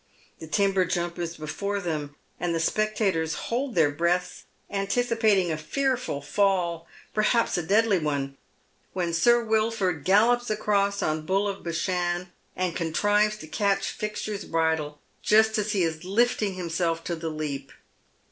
The timber jump is before them, and the spectators hold their breaths, anticipating a fearful fall, per haps a deadly one, when Sir Wilford gallops across on Bull of Bashan, and contrives to catch Fixture's bridle just as he is lifting himself to the leap.